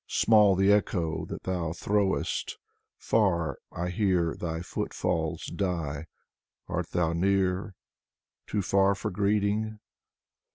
Small the echo that thou throwest, Far, I hear thy footfalls die. Art thou near? — too far for greeting?